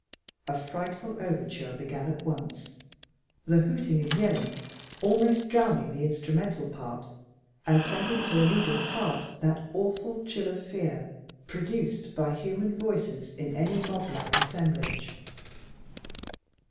A frightful overture began at once, the hooting and yelling almost drowning the instrumental part and sending to Alida's heart that awful chill of fear produced by human voices in any mob like assemblage.